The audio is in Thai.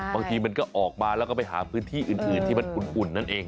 บางทีมันก็ออกมาแล้วก็ไปหาพื้นที่อื่นที่มันอุ่นนั่นเอง